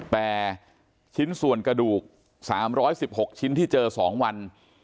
แต่ชิ้นส่วนกระดูกสามร้อยสิบหกชิ้นที่เจอสองวัน